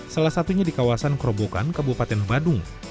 salah satunya di kawasan kerobokan kabupaten badung